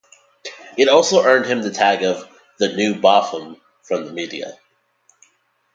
It also earned him the tag of "the new Botham" from the media.